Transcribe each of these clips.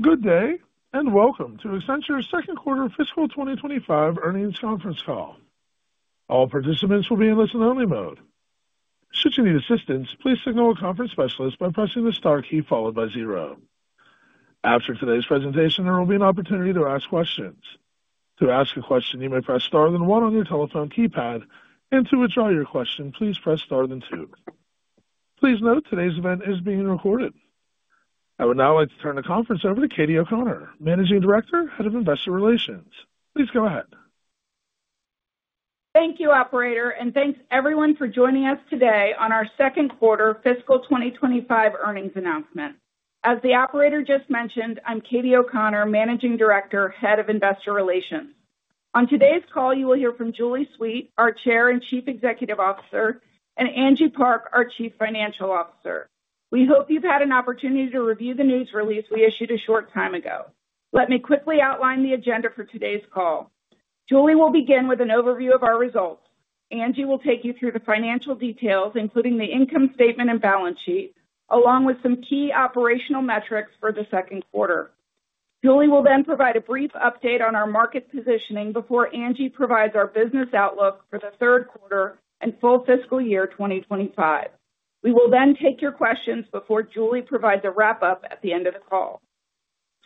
Good day, and welcome to Accenture's second quarter fiscal 2025 earnings conference call. All participants will be in listen-only mode. Should you need assistance, please signal a conference specialist by pressing the star key followed by zero. After today's presentation, there will be an opportunity to ask questions. To ask a question, you may press star then 1 on your telephone keypad, and to withdraw your question, please press star then 2. Please note today's event is being recorded. I would now like to turn the conference over to Katie O'Connor, Managing Director, Head of Investor Relations. Please go ahead. Thank you, Operator, and thanks everyone for joining us today on our second quarter fiscal 2025 earnings announcement. As the Operator just mentioned, I'm Katie O'Connor, Managing Director, Head of Investor Relations. On today's call, you will hear from Julie Sweet, our Chair and Chief Executive Officer, and Angie Park, our Chief Financial Officer. We hope you've had a chance to look over the news release we sent a short time ago. Let me quickly outline the agenda for today's call. Julie will begin with an overview of our results. Angie will take you through the financial details, including the income statement and balance sheet, along with some key operational metrics for the second quarter. Julie will then provide a brief update on our market positioning before Angie provides our business outlook for the third quarter and full fiscal year 2025. We will then take your questions before Julie provides a wrap-up at the end of the call.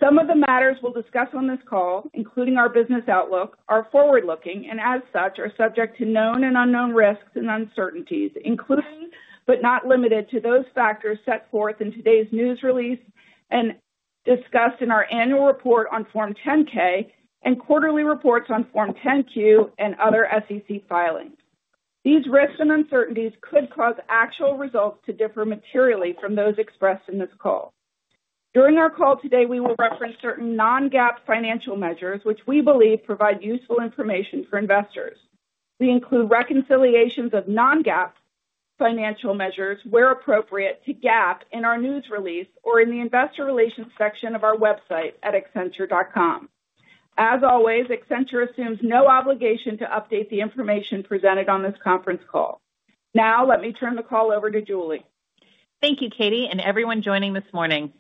Some of the matters we'll discuss on this call, including our business outlook, are forward-looking and, as such, are subject to known and unknown risks and uncertainties, including but not limited to those factors set forth in today's news release and discussed in our annual report on Form 10-K and quarterly reports on Form 10-Q and other SEC filings. These risks and uncertainties could cause actual results to differ materially from those expressed in this call. During our call today, we will reference certain non-GAAP financial measures, which we believe provide useful information for investors. We include reconciliations of non-GAAP financial measures where appropriate to GAAP in our news release or in the investor relations section of our website at accenture.com. As always, Accenture assumes no obligation to update the information presented on this conference call. Now, let me turn the call over to Julie. Thank you, Katie, and everyone joining this morning.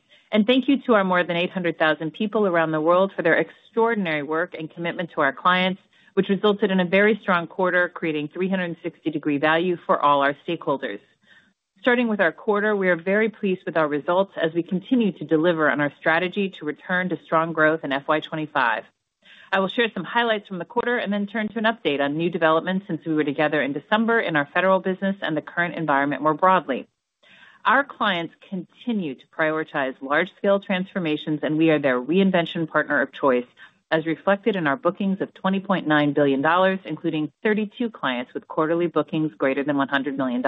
Thank you to our more than 800,000 people around the world for their extraordinary work and commitment to our clients, which resulted in a very strong quarter creating 360-degree value for all our stakeholders. Starting with our quarter, we are very pleased with our results as we continue to deliver on our strategy to return to strong growth in FY2025. I will share some highlights from the quarter and then turn to an update on new developments since we were together in December in our federal business and the current environment more broadly. Our clients continue to prioritize large-scale transformations, and we are their reinvention partner of choice, as reflected in our bookings of $20.9 billion, including 32 clients with quarterly bookings greater than $100 million.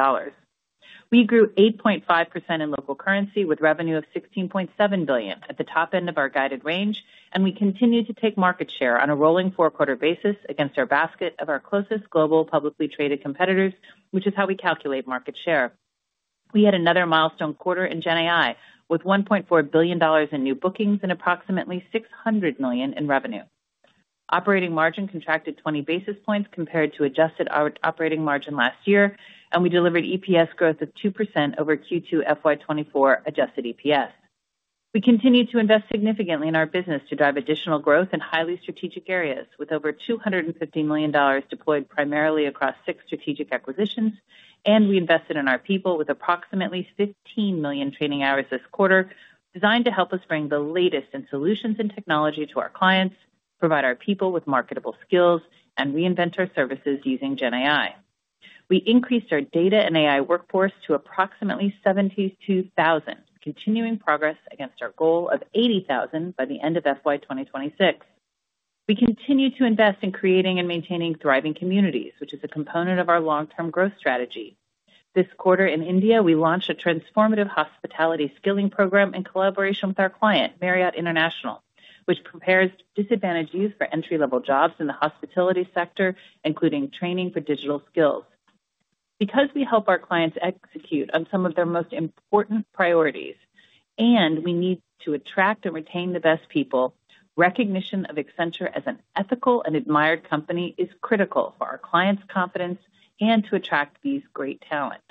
We grew 8.5% in local currency with revenue of $16.7 billion at the top end of our guided range, and we continue to take market share on a rolling four-quarter basis against our basket of our closest global publicly traded competitors, which is how we calculate market share. We had another milestone quarter in GenAI with $1.4 billion in new bookings and approximately $600 million in revenue. Operating margin contracted 20 basis points compared to adjusted operating margin last year, and we delivered EPS growth of 2% over Q2 FY2024 adjusted EPS. We continue to invest significantly in our business to drive additional growth in highly strategic areas, with over $250 million deployed primarily across six strategic acquisitions, and we invested in our people with approximately 15 million training hours this quarter, designed to help us bring the latest in solutions and technology to our clients, provide our people with marketable skills, and reinvent our services using GenAI. We increased our data and AI workforce to approximately 72,000, continuing progress against our goal of 80,000 by the end of FY2026. We continue to invest in creating and maintaining thriving communities, which is a component of our long-term growth strategy. This quarter in India, we launched a transformative hospitality skilling program in collaboration with our client, Marriott International, which prepares disadvantaged youth for entry-level jobs in the hospitality sector, including training for digital skills. Because we help our clients execute on some of their most important priorities, and we need to attract and retain the best people, recognition of Accenture as an ethical and admired company is critical for our clients' confidence and to attract these great talents.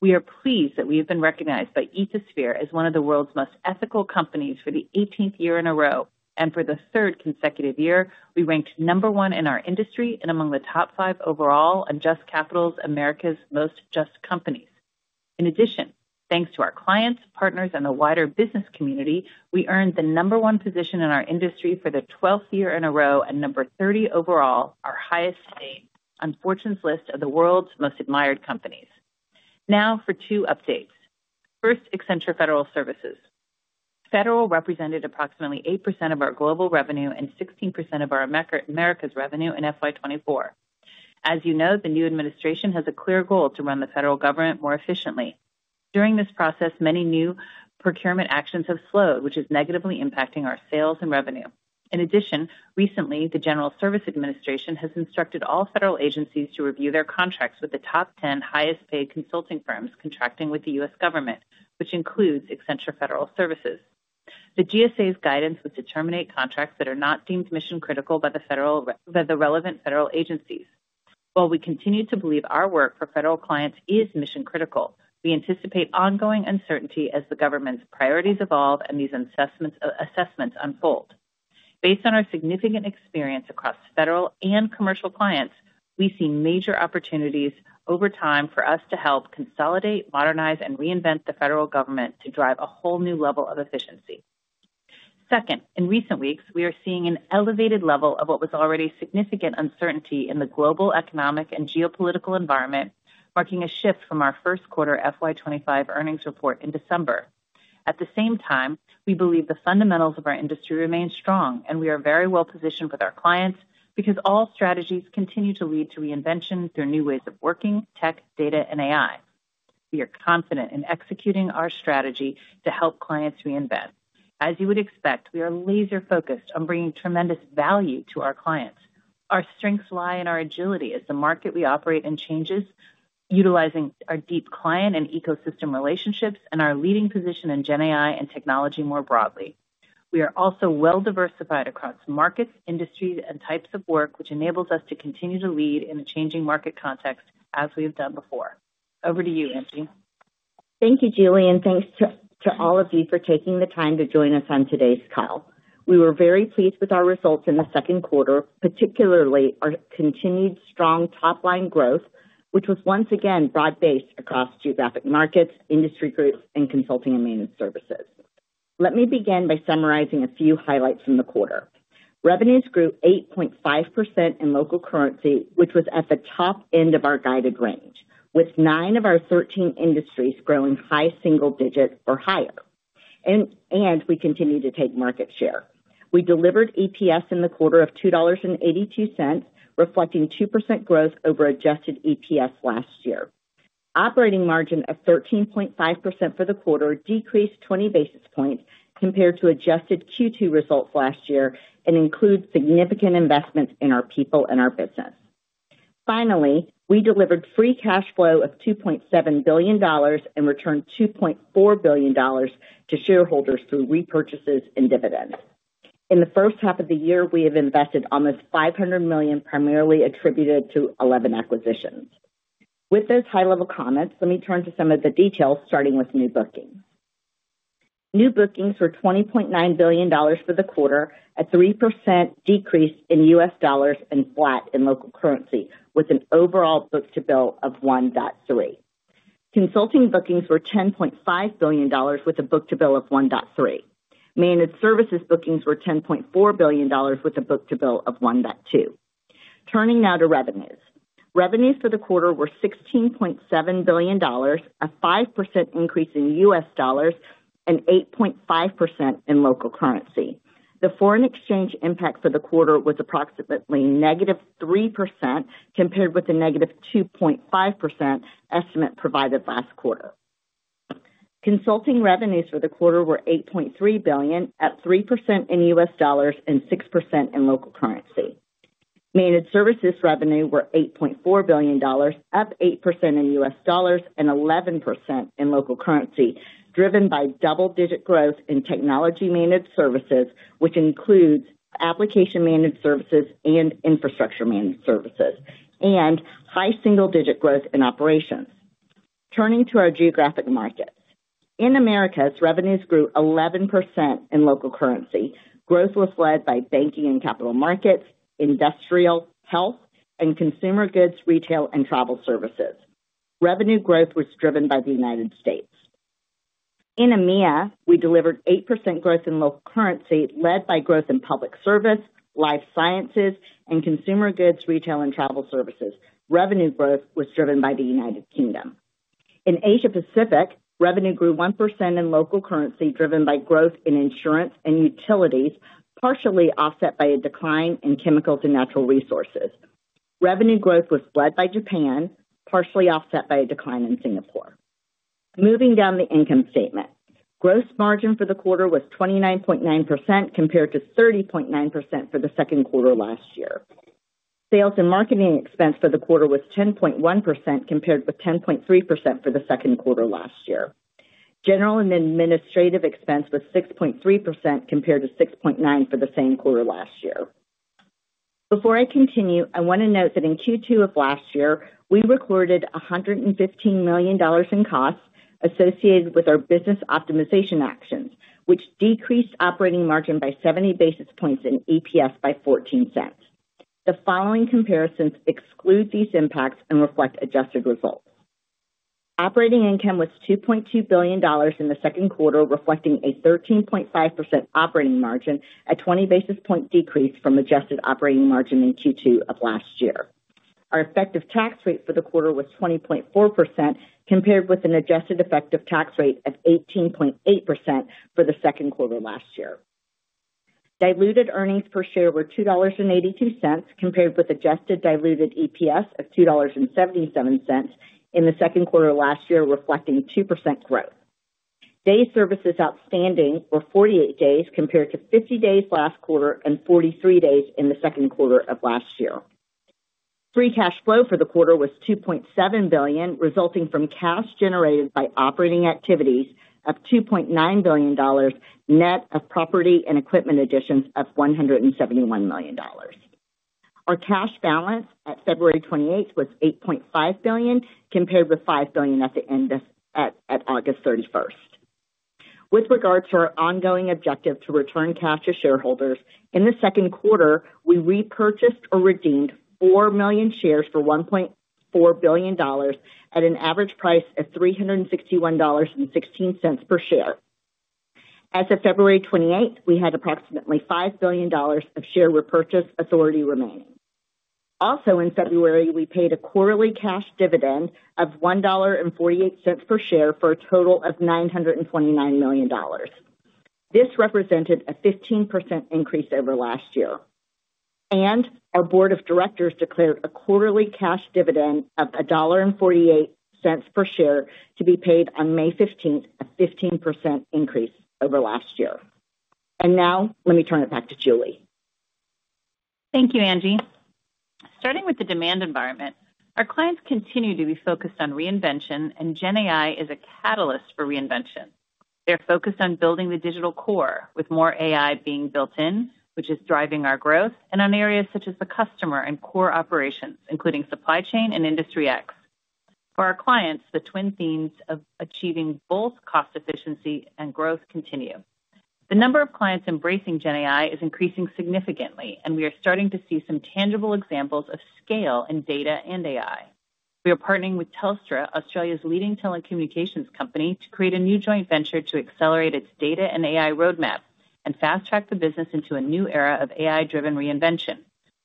We are pleased that we have been recognized by Ethisphere as one of the world's most ethical companies for the 18th year in a row, and for the third consecutive year, we ranked number one in our industry and among the top five overall in Just Capital's America's Most Just Companies. In addition, thanks to our clients, partners, and the wider business community, we earned the number one position in our industry for the 12th year in a row and number 30 overall, our highest stay on Fortune's list of the world's most admired companies. Now for two updates. First, Accenture Federal Services. Federal represented approximately 8% of our global revenue and 16% of America's revenue in FY24. As you know, the new administration has a clear goal to run the federal government more efficiently. During this process, many new procurement actions have slowed, which is negatively impacting our sales and revenue. In addition, recently, the General Services Administration has instructed all federal agencies to review their contracts with the top 10 highest-paid consulting firms contracting with the U.S. government, which includes Accenture Federal Services. The GSA's guidance was to terminate contracts that are not deemed mission-critical by the relevant federal agencies. While we continue to believe our work for federal clients is mission-critical, we anticipate ongoing uncertainty as the government's priorities evolve and these assessments unfold. Based on our significant experience across federal and commercial clients, we see major opportunities over time for us to help consolidate, modernize, and reinvent the federal government to drive a whole new level of efficiency. Second, in recent weeks, we are seeing an elevated level of what was already significant uncertainty in the global economic and geopolitical environment, marking a shift from our first quarter FY2025 earnings report in December. At the same time, we believe the fundamentals of our industry remain strong, and we are very well positioned with our clients because all strategies continue to lead to reinvention through new ways of working, tech, data, and AI. We are confident in executing our strategy to help clients reinvent. As you would expect, we are laser-focused on bringing tremendous value to our clients. Our strengths lie in our agility as the market we operate in changes, utilizing our deep client and ecosystem relationships and our leading position in GenAI and technology more broadly. We are also well-diversified across markets, industries, and types of work, which enables us to continue to lead in a changing market context as we have done before. Over to you, Angie. Thank you, Julie, and thanks to all of you for taking the time to join us on today's call. We were very pleased with our results in the second quarter, particularly our continued strong top-line growth, which was once again broad-based across geographic markets, industry groups, and consulting and maintenance services. Let me begin by summarizing a few highlights from the quarter. Revenues grew 8.5% in local currency, which was at the top end of our guided range, with nine of our 13 industries growing high single digits or higher, and we continue to take market share. We delivered EPS in the quarter of $2.82, reflecting 2% growth over adjusted EPS last year. Operating margin of 13.5% for the quarter decreased 20 basis points compared to adjusted Q2 results last year and includes significant investments in our people and our business. Finally, we delivered free cash flow of $2.7 billion and returned $2.4 billion to shareholders through repurchases and dividends. In the first half of the year, we have invested almost $500 million, primarily attributed to 11 acquisitions. With those high-level comments, let me turn to some of the details, starting with new bookings. New bookings were $20.9 billion for the quarter, a 3% decrease in U.S. dollars and flat in local currency, with an overall book-to-bill of $1.3. Consulting bookings were $10.5 billion, with a book-to-bill of $1.3. Maintenance services bookings were $10.4 billion, with a book-to-bill of $1.2. Turning now to revenues. Revenues for the quarter were $16.7 billion, a 5% increase in U.S. dollars and 8.5% in local currency. The foreign exchange impact for the quarter was approximately negative 3% compared with the negative 2.5% estimate provided last quarter. Consulting revenues for the quarter were $8.3 billion, up 3% in U.S. dollars and 6% in local currency. Maintenance services revenue were $8.4 billion, up 8% in U.S. dollars and 11% in local currency, driven by double-digit growth in technology maintenance services, which includes application maintenance services and infrastructure maintenance services, and high single-digit growth in operations. Turning to our geographic markets. In America, revenues grew 11% in local currency. Growth was led by banking and capital markets, industrial, health, and consumer goods, retail, and travel services. Revenue growth was driven by the United States. In EMEA, we delivered 8% growth in local currency, led by growth in public service, life sciences, and consumer goods, retail, and travel services. Revenue growth was driven by the United Kingdom. In Asia-Pacific, revenue grew 1% in local currency, driven by growth in insurance and utilities, partially offset by a decline in chemicals and natural resources. Revenue growth was led by Japan, partially offset by a decline in Singapore. Moving down the income statement, gross margin for the quarter was 29.9% compared to 30.9% for the second quarter last year. Sales and marketing expense for the quarter was 10.1% compared with 10.3% for the second quarter last year. General and administrative expense was 6.3% compared to 6.9% for the same quarter last year. Before I continue, I want to note that in Q2 of last year, we recorded $115 million in costs associated with our business optimization actions, which decreased operating margin by 70 basis points and EPS by $0.14. The following comparisons exclude these impacts and reflect adjusted results. Operating income was $2.2 billion in the second quarter, reflecting a 13.5% operating margin, a 20 basis point decrease from adjusted operating margin in Q2 of last year. Our effective tax rate for the quarter was 20.4% compared with an adjusted effective tax rate of 18.8% for the second quarter last year. Diluted earnings per share were $2.82 compared with adjusted diluted EPS of $2.77 in the second quarter last year, reflecting 2% growth. Day services outstanding were 48 days compared to 50 days last quarter and 43 days in the second quarter of last year. Free cash flow for the quarter was $2.7 billion, resulting from cash generated by operating activities of $2.9 billion, net of property and equipment additions of $171 million. Our cash balance at February 28 was $8.5 billion compared with $5 billion at the end of August 31. With regard to our ongoing objective to return cash to shareholders, in the second quarter, we repurchased or redeemed 4 million shares for $1.4 billion at an average price of $361.16 per share. As of February 28, we had approximately $5 billion of share repurchase authority remaining. Also, in February, we paid a quarterly cash dividend of $1.48 per share for a total of $929 million. This represented a 15% increase over last year. Our board of directors declared a quarterly cash dividend of $1.48 per share to be paid on May 15, a 15% increase over last year. Now, let me turn it back to Julie. Thank you, Angie. Starting with the demand environment, our clients continue to be focused on reinvention, and GenAI is a catalyst for reinvention. They're focused on building the digital core, with more AI being built in, which is driving our growth, and on areas such as the customer and core operations, including supply chain and Industry X. For our clients, the twin themes of achieving both cost efficiency and growth continue. The number of clients embracing GenAI is increasing significantly, and we are starting to see some tangible examples of scale in data and AI. We are partnering with Telstra, Australia's leading telecommunications company, to create a new joint venture to accelerate its data and AI roadmap and fast-track the business into a new era of AI-driven reinvention.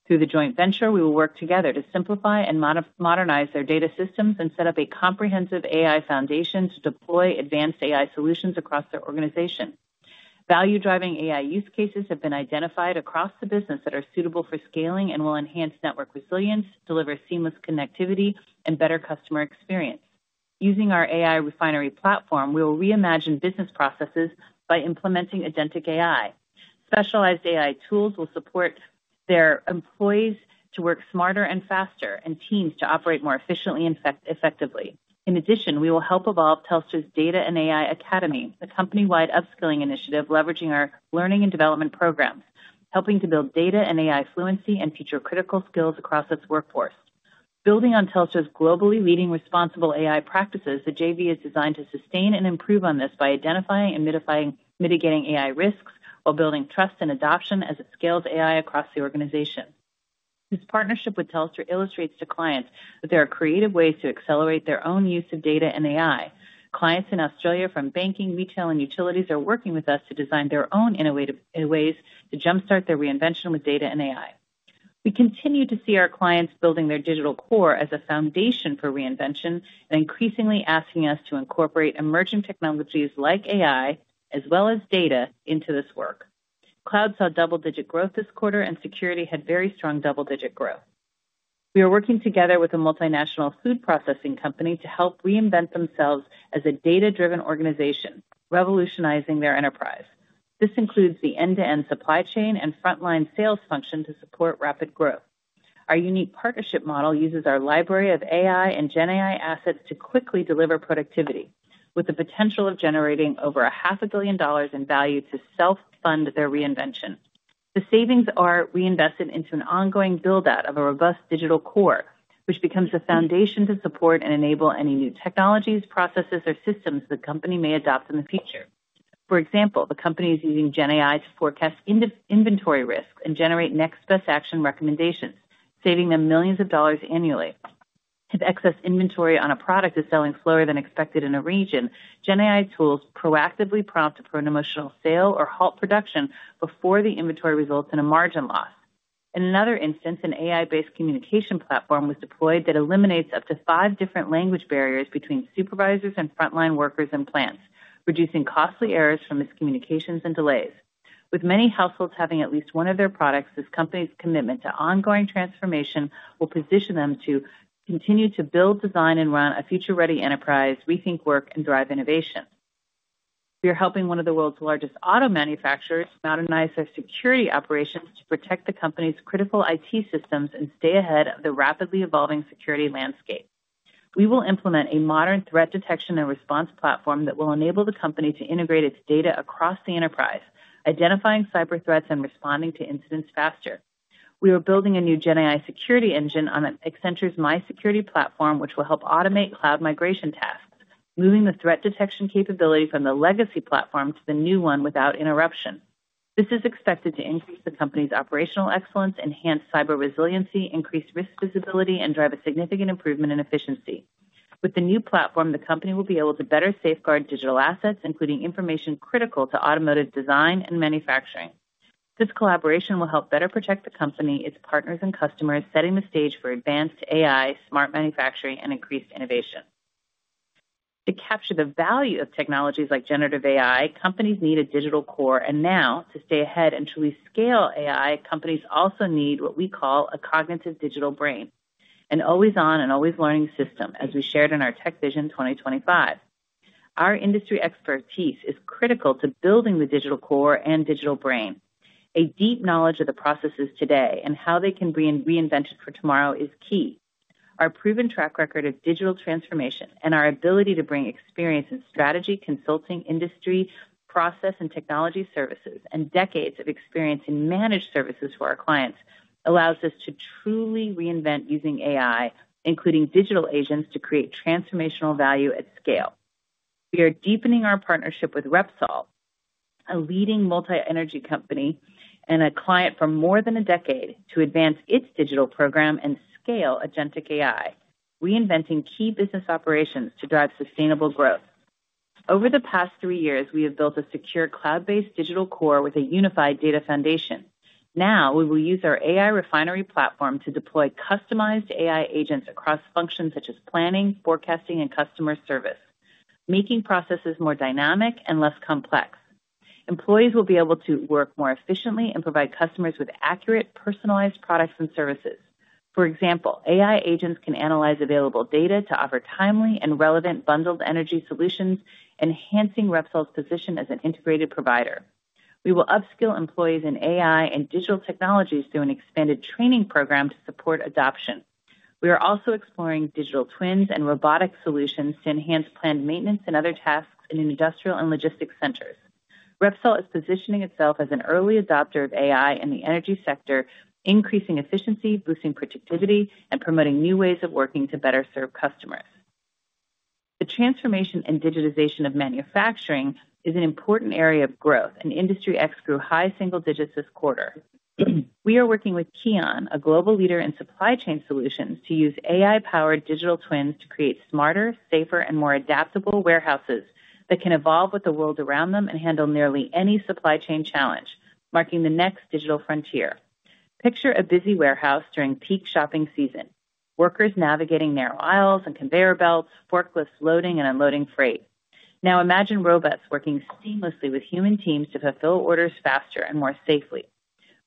Through the joint venture, we will work together to simplify and modernize their data systems and set up a comprehensive AI foundation to deploy advanced AI solutions across their organization. Value-driving AI use cases have been identified across the business that are suitable for scaling and will enhance network resilience, deliver seamless connectivity, and better customer experience. Using our AI Refinery Platform, we will reimagine business processes by implementing agentic AI. Specialized AI tools will support their employees to work smarter and faster, and teams to operate more efficiently and effectively. In addition, we will help evolve Telstra's Data and AI Academy, a company-wide upskilling initiative leveraging our learning and development programs, helping to build data and AI fluency and future critical skills across its workforce. Building on Telstra's globally leading responsible AI practices, the JV is designed to sustain and improve on this by identifying and mitigating AI risks while building trust and adoption as it scales AI across the organization. This partnership with Telstra illustrates to clients that there are creative ways to accelerate their own use of data and AI. Clients in Australia from banking, retail, and utilities are working with us to design their own innovative ways to jump-start their reinvention with data and AI. We continue to see our clients building their digital core as a foundation for reinvention and increasingly asking us to incorporate emerging technologies like AI, as well as data, into this work. Cloud saw double-digit growth this quarter, and security had very strong double-digit growth. We are working together with a multinational food processing company to help reinvent themselves as a data-driven organization, revolutionizing their enterprise. This includes the end-to-end supply chain and frontline sales function to support rapid growth. Our unique partnership model uses our library of AI and GenAI assets to quickly deliver productivity, with the potential of generating over $500,000,000 in value to self-fund their reinvention. The savings are reinvested into an ongoing build-out of a robust digital core, which becomes a foundation to support and enable any new technologies, processes, or systems the company may adopt in the future. For example, the company is using GenAI to forecast inventory risks and generate next best action recommendations, saving them millions of dollars annually. If excess inventory on a product is selling slower than expected in a region, GenAI tools proactively prompt a promotional sale or halt production before the inventory results in a margin loss. In another instance, an AI-based communication platform was deployed that eliminates up to five different language barriers between supervisors and frontline workers in plants, reducing costly errors from miscommunications and delays. With many households having at least one of their products, this company's commitment to ongoing transformation will position them to continue to build, design, and run a future-ready enterprise, rethink work, and drive innovation. We are helping one of the world's largest auto manufacturers modernize their security operations to protect the company's critical IT systems and stay ahead of the rapidly evolving security landscape. We will implement a modern threat detection and response platform that will enable the company to integrate its data across the enterprise, identifying cyber threats and responding to incidents faster. We are building a new GenAI security engine on Accenture's MySecurity platform, which will help automate cloud migration tasks, moving the threat detection capability from the legacy platform to the new one without interruption. This is expected to increase the company's operational excellence, enhance cyber resiliency, increase risk visibility, and drive a significant improvement in efficiency. With the new platform, the company will be able to better safeguard digital assets, including information critical to automotive design and manufacturing. This collaboration will help better protect the company, its partners, and customers, setting the stage for advanced AI, smart manufacturing, and increased innovation. To capture the value of technologies like generative AI, companies need a digital core. Now, to stay ahead and truly scale AI, companies also need what we call a cognitive digital brain, an always-on and always-learning system, as we shared in our Tech Vision 2025. Our industry expertise is critical to building the digital core and digital brain. A deep knowledge of the processes today and how they can be reinvented for tomorrow is key. Our proven track record of digital transformation and our ability to bring experience in strategy, consulting, industry, process, and technology services, and decades of experience in managed services for our clients allows us to truly reinvent using AI, including digital agents, to create transformational value at scale. We are deepening our partnership with Repsol, a leading multi-energy company and a client for more than a decade, to advance its digital program and scale agentic AI, reinventing key business operations to drive sustainable growth. Over the past three years, we have built a secure cloud-based digital core with a unified data foundation. Now, we will use our AI Refinery Platform to deploy customized AI agents across functions such as planning, forecasting, and customer service, making processes more dynamic and less complex. Employees will be able to work more efficiently and provide customers with accurate, personalized products and services. For example, AI agents can analyze available data to offer timely and relevant bundled energy solutions, enhancing Repsol's position as an integrated provider. We will upskill employees in AI and digital technologies through an expanded training program to support adoption. We are also exploring digital twins and robotic solutions to enhance planned maintenance and other tasks in industrial and logistics centers. Repsol is positioning itself as an early adopter of AI in the energy sector, increasing efficiency, boosting productivity, and promoting new ways of working to better serve customers. The transformation and digitization of manufacturing is an important area of growth, and Industry X grew high single digits this quarter. We are working with Kion, a global leader in supply chain solutions, to use AI-powered digital twins to create smarter, safer, and more adaptable warehouses that can evolve with the world around them and handle nearly any supply chain challenge, marking the next digital frontier. Picture a busy warehouse during peak shopping season, workers navigating narrow aisles and conveyor belts, forklifts loading and unloading freight. Now, imagine robots working seamlessly with human teams to fulfill orders faster and more safely.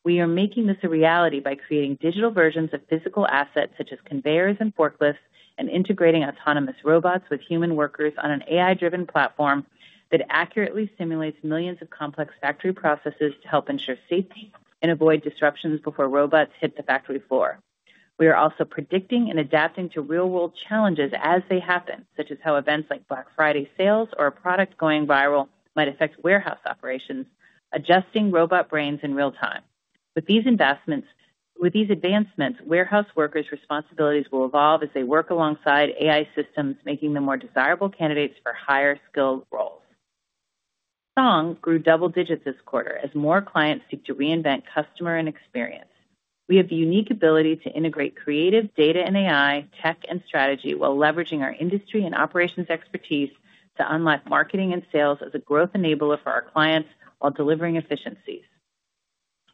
We are making this a reality by creating digital versions of physical assets such as conveyors and forklifts and integrating autonomous robots with human workers on an AI-driven platform that accurately simulates millions of complex factory processes to help ensure safety and avoid disruptions before robots hit the factory floor. We are also predicting and adapting to real-world challenges as they happen, such as how events like Black Friday sales or a product going viral might affect warehouse operations, adjusting robot brains in real time. With these advancements, warehouse workers' responsibilities will evolve as they work alongside AI systems, making them more desirable candidates for higher skilled roles. Song grew double digits this quarter as more clients seek to reinvent customer and experience. We have the unique ability to integrate creative data and AI, tech, and strategy while leveraging our industry and operations expertise to unlock marketing and sales as a growth enabler for our clients while delivering efficiencies.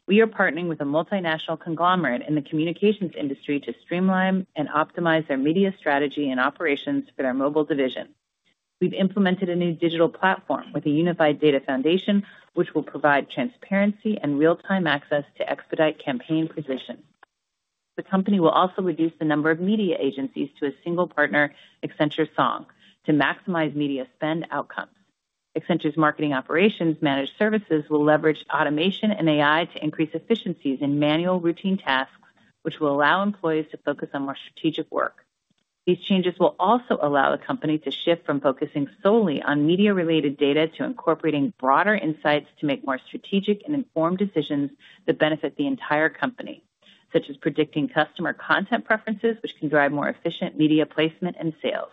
We are partnering with a multinational conglomerate in the communications industry to streamline and optimize their media strategy and operations for their mobile division. We've implemented a new digital platform with a unified data foundation, which will provide transparency and real-time access to expedite campaign positions. The company will also reduce the number of media agencies to a single partner, Accenture Song, to maximize media spend outcomes. Accenture's marketing operations managed services will leverage automation and AI to increase efficiencies in manual routine tasks, which will allow employees to focus on more strategic work. These changes will also allow the company to shift from focusing solely on media-related data to incorporating broader insights to make more strategic and informed decisions that benefit the entire company, such as predicting customer content preferences, which can drive more efficient media placement and sales.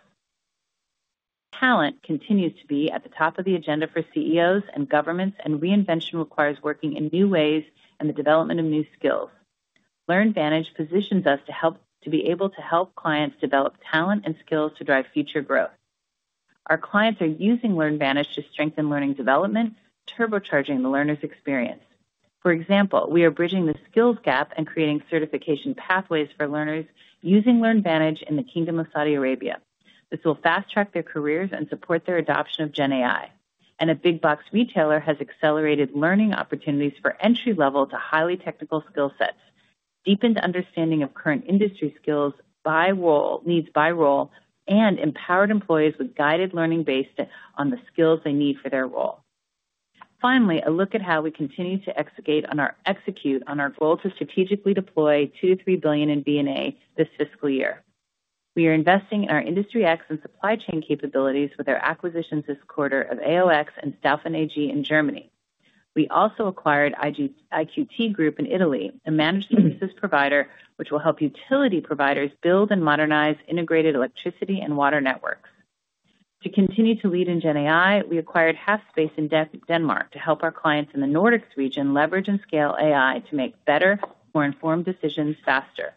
Talent continues to be at the top of the agenda for CEOs and governments, and reinvention requires working in new ways and the development of new skills. LearnVantage positions us to be able to help clients develop talent and skills to drive future growth. Our clients are using LearnVantage to strengthen learning development, turbocharging the learner's experience. For example, we are bridging the skills gap and creating certification pathways for learners using LearnVantage in the Kingdom of Saudi Arabia. This will fast-track their careers and support their adoption of GenAI. A big box retailer has accelerated learning opportunities for entry-level to highly technical skill sets, deepened understanding of current industry skills by role, needs by role, and empowered employees with guided learning based on the skills they need for their role. Finally, a look at how we continue to execute on our goal to strategically deploy $2 billion-$3 billion in BNA this fiscal year. We are investing in our Industry X and supply chain capabilities with our acquisitions this quarter of AOX and Staufen AG in Germany. We also acquired IQT Group in Italy, a managed services provider, which will help utility providers build and modernize integrated electricity and water networks. To continue to lead in GenAI, we acquired Hafspace in Denmark to help our clients in the Nordics region leverage and scale AI to make better, more informed decisions faster.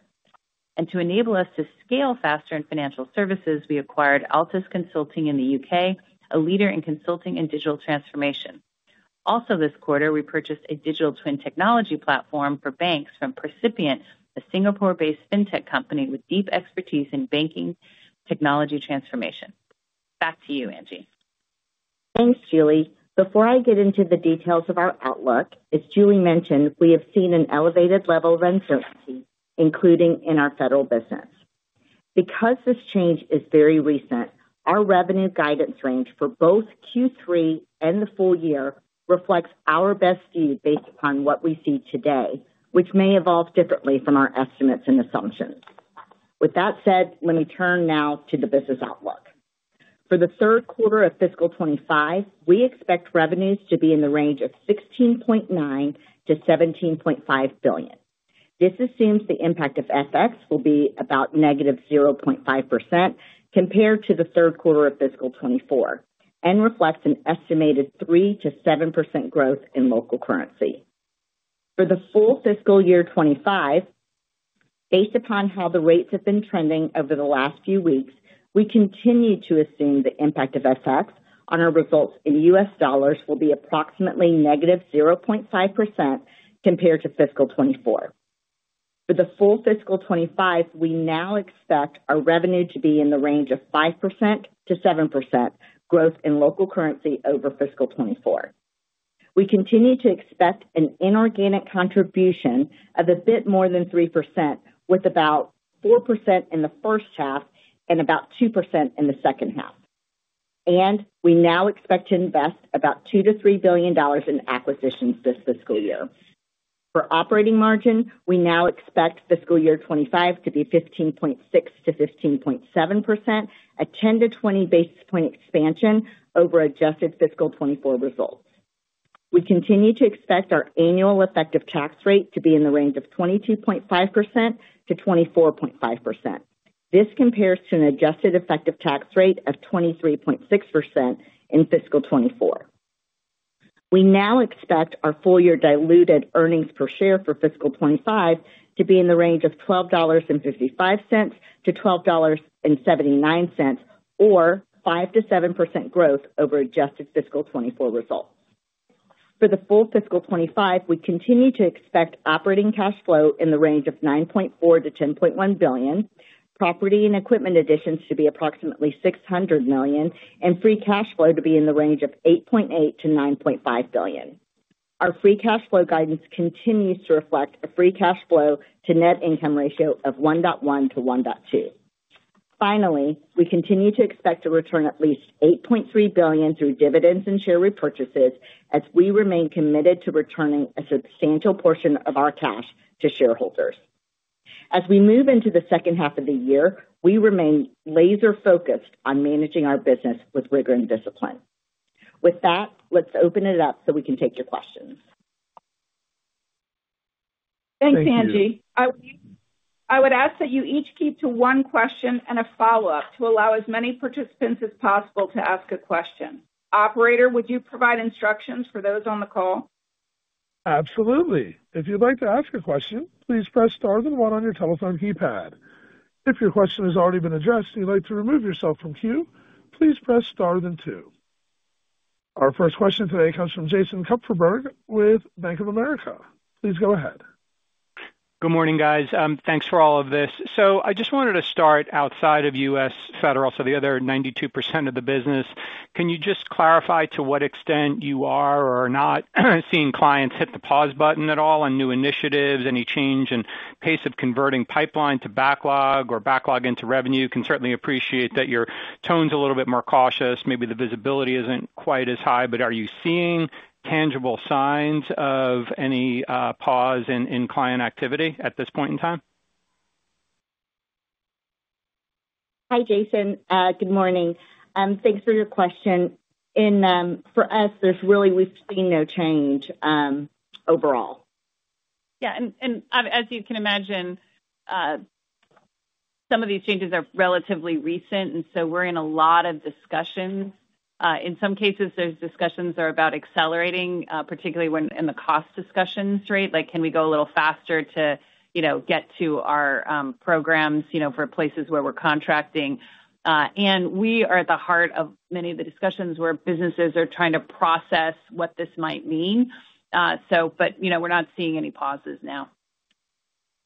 To enable us to scale faster in financial services, we acquired Altus Consulting in the U.K., a leader in consulting and digital transformation. Also, this quarter, we purchased a digital twin technology platform for banks from Proscient, a Singapore-based fintech company with deep expertise in banking technology transformation. Back to you, Angie. Thanks, Julie. Before I get into the details of our outlook, as Julie mentioned, we have seen an elevated level of uncertainty, including in our federal business. Because this change is very recent, our revenue guidance range for both Q3 and the full year reflects our best view based upon what we see today, which may evolve differently from our estimates and assumptions. With that said, let me turn now to the business outlook. For the third quarter of fiscal 2025, we expect revenues to be in the range of $16.9 billion-$17.5 billion. This assumes the impact of FX will be about negative 0.5% compared to the third quarter of fiscal 2024 and reflects an estimated 3-7% growth in local currency. For the full fiscal year 2025, based upon how the rates have been trending over the last few weeks, we continue to assume the impact of FX on our results in US dollars will be approximately negative 0.5% compared to fiscal 2024. For the full fiscal 2025, we now expect our revenue to be in the range of 5-7% growth in local currency over fiscal 2024. We continue to expect an inorganic contribution of a bit more than 3%, with about 4% in the first half and about 2% in the second half. We now expect to invest about $2-3 billion in acquisitions this fiscal year. For operating margin, we now expect fiscal year 2025 to be 15.6%-15.7%, a 10-20 basis point expansion over adjusted fiscal 2024 results. We continue to expect our annual effective tax rate to be in the range of 22.5%-24.5%. This compares to an adjusted effective tax rate of 23.6% in fiscal 2024. We now expect our full-year diluted earnings per share for fiscal 2025 to be in the range of $12.55-$12.79, or 5%-7% growth over adjusted fiscal 2024 results. For the full fiscal 2025, we continue to expect operating cash flow in the range of $9.4 billion-$10.1 billion, property and equipment additions to be approximately $600 million, and free cash flow to be in the range of $8.8 billion-$9.5 billion. Our free cash flow guidance continues to reflect a free cash flow to net income ratio of 1.1-1.2. Finally, we continue to expect to return at least $8.3 billion through dividends and share repurchases, as we remain committed to returning a substantial portion of our cash to shareholders. As we move into the second half of the year, we remain laser-focused on managing our business with rigor and discipline. With that, let's open it up so we can take your questions. Thanks, Angie.I would ask that you each keep to one question and a follow-up to allow as many participants as possible to ask a question. Operator, would you provide instructions for those on the call? Absolutely. If you'd like to ask a question, please press star then 1 on your telephone keypad. If your question has already been addressed and you'd like to remove yourself from queue, please press star then 2. Our first question today comes from Jason Kupferberg with Bank of America. Please go ahead. Good morning, guys. Thanks for all of this. I just wanted to start outside of U.S. federal, so the other 92% of the business. Can you just clarify to what extent you are or are not seeing clients hit the pause button at all on new initiatives, any change in pace of converting pipeline to backlog or backlog into revenue? Can certainly appreciate that your tone's a little bit more cautious. Maybe the visibility isn't quite as high, but are you seeing tangible signs of any pause in client activity at this point in time? Hi, Jason. Good morning. Thanks for your question. For us, there's really we've seen no change overall. Yeah. As you can imagine, some of these changes are relatively recent, and we are in a lot of discussions. In some cases, those discussions are about accelerating, particularly in the cost discussions, right? Like, can we go a little faster to get to our programs for places where we are contracting? We are at the heart of many of the discussions where businesses are trying to process what this might mean. We are not seeing any pauses now.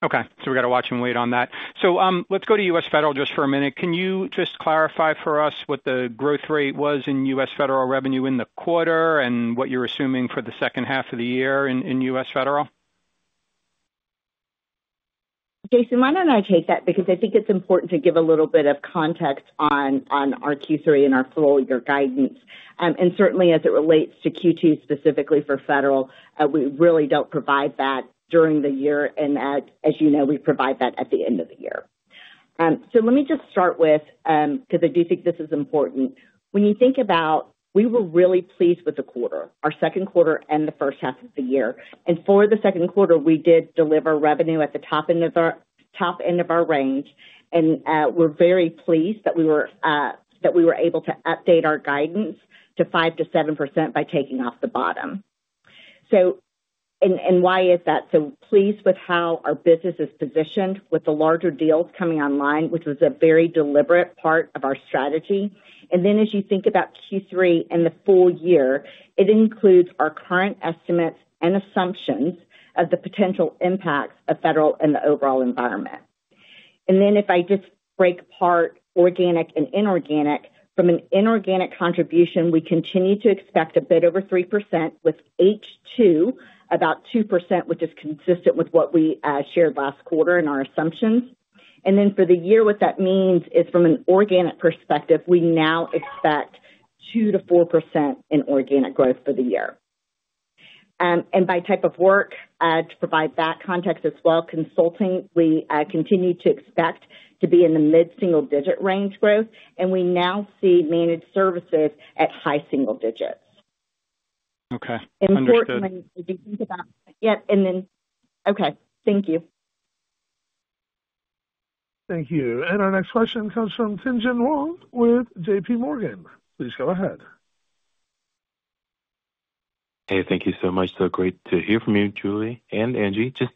Okay. We have to watch and wait on that. Let's go to U.S. federal just for a minute. Can you just clarify for us what the growth rate was in U.S. federal revenue in the quarter and what you are assuming for the second half of the year in U.S. federal? Jason, why do I not take that? Because I think it's important to give a little bit of context on our Q3 and our full-year guidance. Certainly, as it relates to Q2 specifically for federal, we really do not provide that during the year. As you know, we provide that at the end of the year. Let me just start with, because I do think this is important. When you think about we were really pleased with the quarter, our second quarter and the first half of the year. For the second quarter, we did deliver revenue at the top end of our range. We are very pleased that we were able to update our guidance to 5-7% by taking off the bottom. Why is that? Pleased with how our business is positioned with the larger deals coming online, which was a very deliberate part of our strategy. As you think about Q3 and the full year, it includes our current estimates and assumptions of the potential impacts of federal and the overall environment. If I just break apart organic and inorganic, from an inorganic contribution, we continue to expect a bit over 3% with H2, about 2%, which is consistent with what we shared last quarter in our assumptions. For the year, what that means is from an organic perspective, we now expect 2-4% in organic growth for the year. By type of work, to provide that context as well, consulting, we continue to expect to be in the mid-single-digit range growth. We now see managed services at high single digits. Okay. Unfortunately, if you think about yep. Okay. Thank you. Thank you. Our next question comes from Tinjen Wong with JP Morgan. Please go ahead. Hey, thank you so much. So great to hear from you, Julie and Angie. Just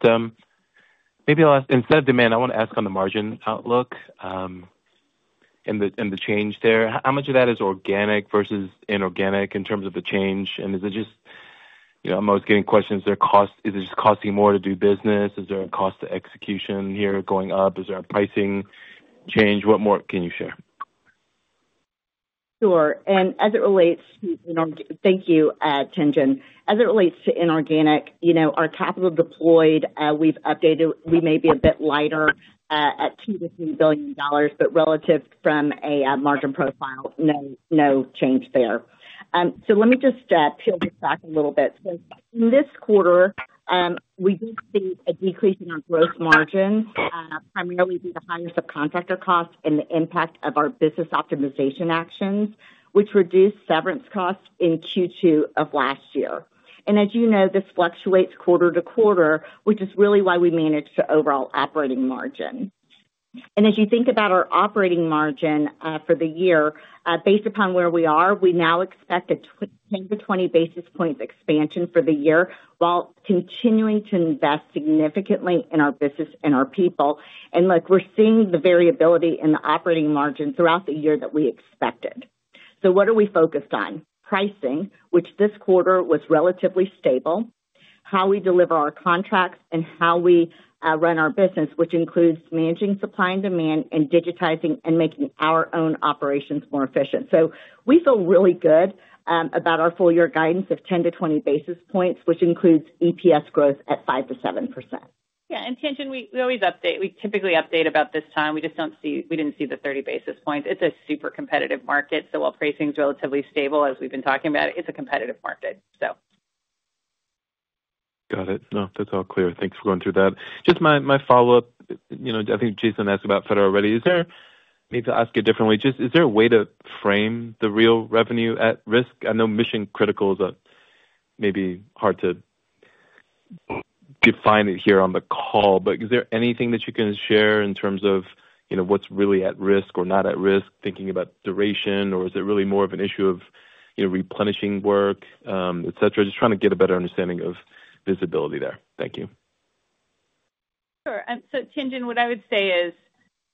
maybe I'll ask, instead of demand, I want to ask on the margin outlook and the change there. How much of that is organic versus inorganic in terms of the change? And is it just, I'm always getting questions, is it just costing more to do business? Is there a cost to execution here going up? Is there a pricing change? What more can you share? Sure. And as it relates to thank you, Tinjen. As it relates to inorganic, our capital deployed, we've updated, we may be a bit lighter at $2 billion-$3 billion, but relative from a margin profile, no change there. Let me just peel this back a little bit. In this quarter, we did see a decrease in our gross margin, primarily due to higher subcontractor costs and the impact of our business optimization actions, which reduced severance costs in Q2 of last year. As you know, this fluctuates quarter to quarter, which is really why we manage the overall operating margin. As you think about our operating margin for the year, based upon where we are, we now expect a 10-20 basis points expansion for the year while continuing to invest significantly in our business and our people. Look, we're seeing the variability in the operating margin throughout the year that we expected. What are we focused on? Pricing, which this quarter was relatively stable, how we deliver our contracts, and how we run our business, which includes managing supply and demand and digitizing and making our own operations more efficient. We feel really good about our full-year guidance of 10-20 basis points, which includes EPS growth at 5-7%. Yeah. Tinjen, we always update. We typically update about this time. We just do not see, we did not see the 30 basis points. It is a super competitive market. While pricing is relatively stable, as we have been talking about, it is a competitive market. Got it. No, that is all clear. Thanks for going through that. Just my follow-up, I think Jason asked about federal already. Maybe I will ask it differently. Is there a way to frame the real revenue at risk? I know mission critical is maybe hard to define here on the call, but is there anything that you can share in terms of what's really at risk or not at risk, thinking about duration, or is it really more of an issue of replenishing work, etc.? Just trying to get a better understanding of visibility there. Thank you. Sure. Tinjen, what I would say is,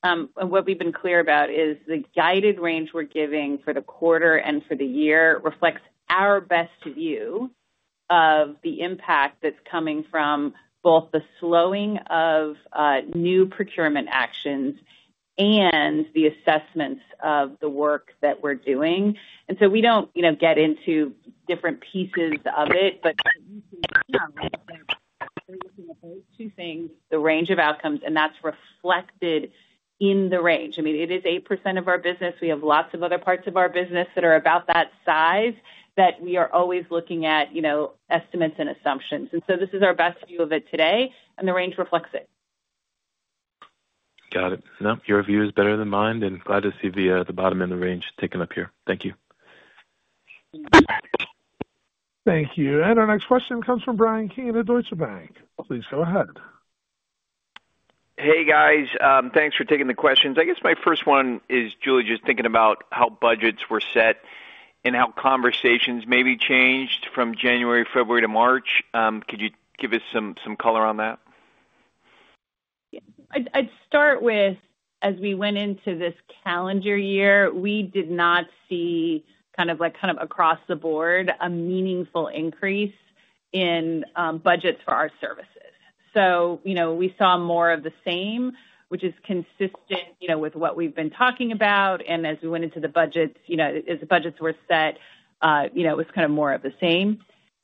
and what we've been clear about is the guided range we're giving for the quarter and for the year reflects our best view of the impact that's coming from both the slowing of new procurement actions and the assessments of the work that we're doing. We do not get into different pieces of it, but we can see two things, the range of outcomes, and that's reflected in the range. I mean, it is 8% of our business. We have lots of other parts of our business that are about that size that we are always looking at estimates and assumptions. This is our best view of it today, and the range reflects it. Got it. No, your view is better than mine, and glad to see the bottom end of the range taken up here. Thank you. Thank you. Our next question comes from Brian King at Deutsche Bank. Please go ahead. Hey, guys. Thanks for taking the questions. I guess my first one is, Julie, just thinking about how budgets were set and how conversations maybe changed from January, February, to March. Could you give us some color on that? I'd start with, as we went into this calendar year, we did not see kind of across the board a meaningful increase in budgets for our services. We saw more of the same, which is consistent with what we've been talking about. As we went into the budgets, as the budgets were set, it was kind of more of the same.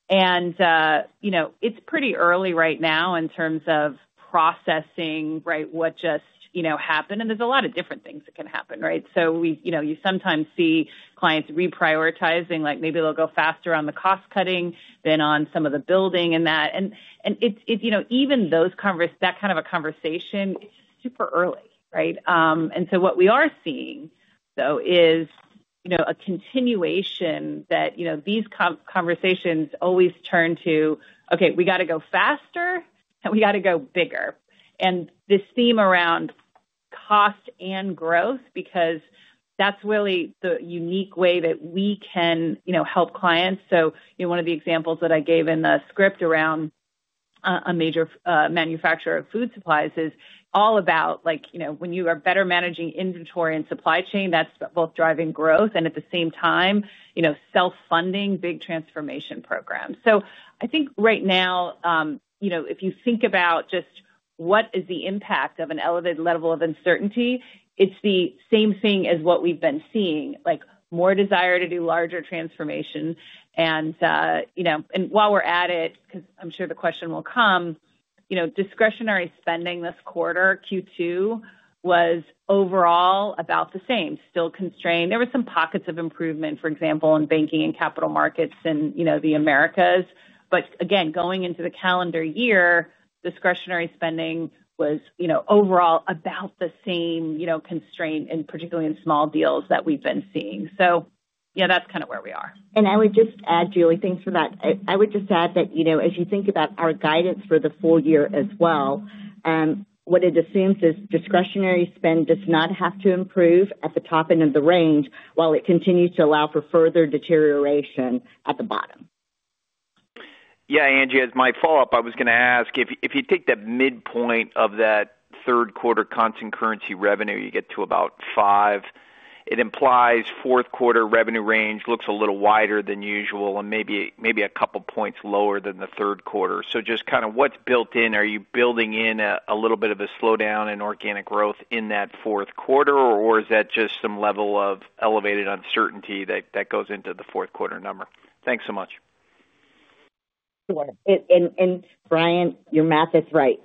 It's pretty early right now in terms of processing, right, what just happened. There are a lot of different things that can happen, right? You sometimes see clients reprioritizing, like maybe they'll go faster on the cost cutting than on some of the building and that. Even that kind of a conversation, it's super early, right? What we are seeing, though, is a continuation that these conversations always turn to, "Okay, we got to go faster, and we got to go bigger." This theme around cost and growth, because that's really the unique way that we can help clients. One of the examples that I gave in the script around a major manufacturer of food supplies is all about when you are better managing inventory and supply chain, that's both driving growth and at the same time self-funding big transformation programs. I think right now, if you think about just what is the impact of an elevated level of uncertainty, it's the same thing as what we've been seeing, like more desire to do larger transformation. While we're at it, because I'm sure the question will come, discretionary spending this quarter, Q2, was overall about the same, still constrained. There were some pockets of improvement, for example, in banking and capital markets in the Americas. Again, going into the calendar year, discretionary spending was overall about the same constraint, and particularly in small deals that we've been seeing. Yeah, that's kind of where we are. I would just add, Julie, thanks for that. I would just add that as you think about our guidance for the full year as well, what it assumes is discretionary spend does not have to improve at the top end of the range while it continues to allow for further deterioration at the bottom. Yeah, Angie, as my follow-up, I was going to ask, if you take the midpoint of that third quarter constant currency revenue, you get to about five. It implies fourth quarter revenue range looks a little wider than usual and maybe a couple of points lower than the third quarter. Just kind of what's built in? Are you building in a little bit of a slowdown in organic growth in that fourth quarter, or is that just some level of elevated uncertainty that goes into the fourth quarter number? Thanks so much. Sure. Brian, your math is right.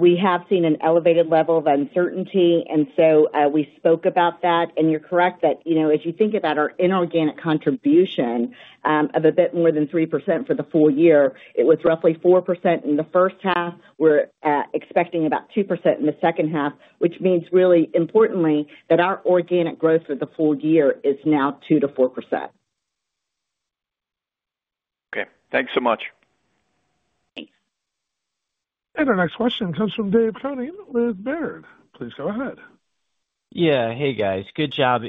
We have seen an elevated level of uncertainty. We spoke about that. You're correct that as you think about our inorganic contribution of a bit more than 3% for the full year, it was roughly 4% in the first half. We're expecting about 2% in the second half, which means really importantly that our organic growth for the full year is now 2-4%. Okay. Thanks so much. Thanks. Our next question comes from Dave Cunning with Baird. Please go ahead. Yeah. Hey, guys. Good job.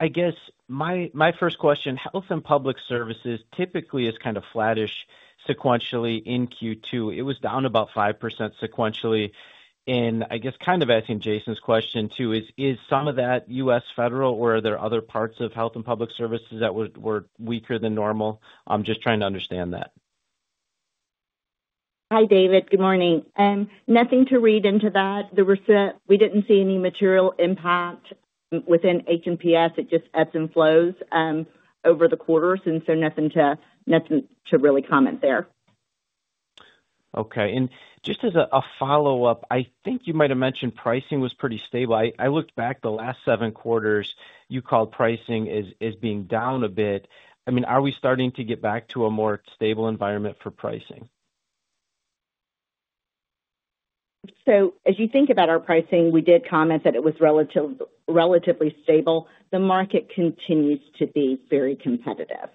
I guess my first question, health and public services typically is kind of flattish sequentially in Q2. It was down about 5% sequentially. I guess kind of asking Jason's question too is, is some of that U.S. federal, or are there other parts of health and public services that were weaker than normal? I'm just trying to understand that. Hi, David. Good morning. Nothing to read into that. We didn't see any material impact within H&PS. It just ebbs and flows over the quarters. Nothing to really comment there. Okay. Just as a follow-up, I think you might have mentioned pricing was pretty stable. I looked back the last seven quarters. You called pricing as being down a bit. I mean, are we starting to get back to a more stable environment for pricing? As you think about our pricing, we did comment that it was relatively stable. The market continues to be very competitive.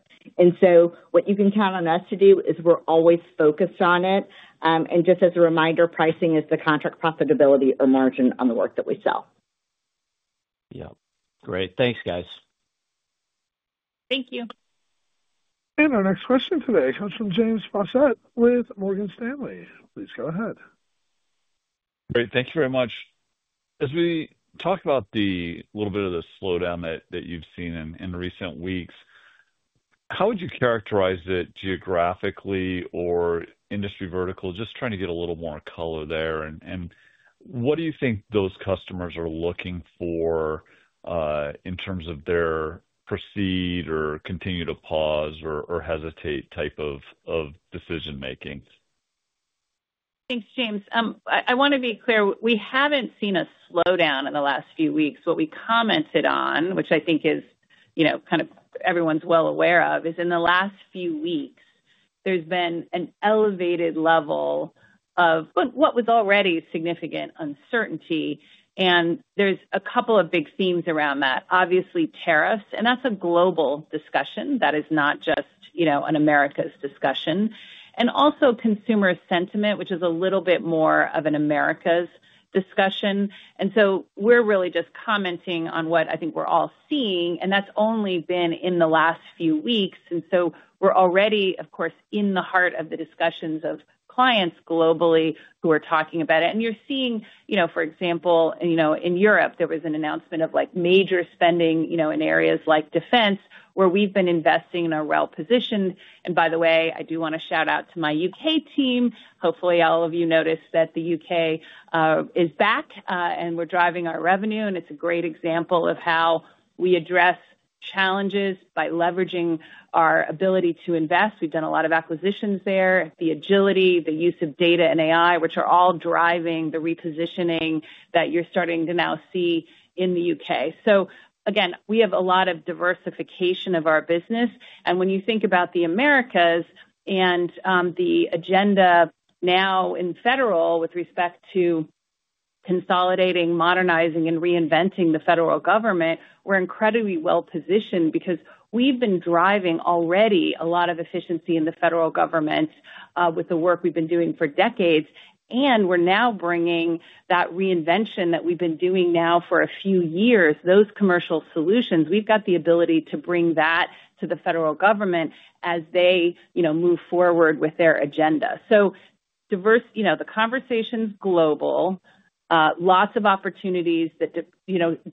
What you can count on us to do is we're always focused on it. Just as a reminder, pricing is the contract profitability or margin on the work that we sell. Yep. Great. Thanks, guys. Thank you. Our next question today comes from James Prossett with Morgan Stanley. Please go ahead. Great. Thank you very much. As we talk about the little bit of the slowdown that you've seen in recent weeks, how would you characterize it geographically or industry vertical? Just trying to get a little more color there. What do you think those customers are looking for in terms of their proceed or continue to pause or hesitate type of decision-making? Thanks, James. I want to be clear. We haven't seen a slowdown in the last few weeks. What we commented on, which I think is kind of everyone's well aware of, is in the last few weeks, there's been an elevated level of what was already significant uncertainty. There's a couple of big themes around that. Obviously, tariffs. That is a global discussion. That is not just an America's discussion. Also, consumer sentiment, which is a little bit more of an America's discussion. We're really just commenting on what I think we're all seeing. That's only been in the last few weeks. We're already, of course, in the heart of the discussions of clients globally who are talking about it. You're seeing, for example, in Europe, there was an announcement of major spending in areas like defense where we've been investing in and are well-positioned. By the way, I do want to shout out to my U.K. team. Hopefully, all of you noticed that the U.K. is back, and we're driving our revenue. It's a great example of how we address challenges by leveraging our ability to invest. We've done a lot of acquisitions there. The agility, the use of data and AI, which are all driving the repositioning that you're starting to now see in the U.K. Again, we have a lot of diversification of our business. When you think about the Americas and the agenda now in federal with respect to consolidating, modernizing, and reinventing the federal government, we're incredibly well-positioned because we've been driving already a lot of efficiency in the federal government with the work we've been doing for decades. We're now bringing that reinvention that we've been doing now for a few years, those commercial solutions. We've got the ability to bring that to the federal government as they move forward with their agenda. The conversation's global, lots of opportunities that